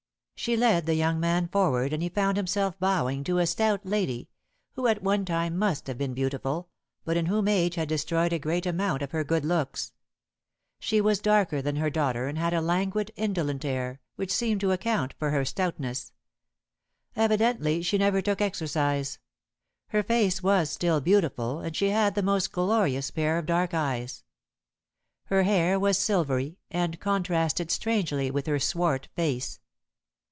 She led the young man forward, and he found himself bowing to a stout lady, who at one time must have been beautiful, but in whom age had destroyed a great amount of her good looks. She was darker than her daughter, and had a languid, indolent air, which seemed to account for her stoutness. Evidently she never took exercise. Her face was still beautiful, and she had the most glorious pair of dark eyes. Her hair was silvery, and contrasted strangely with her swart face.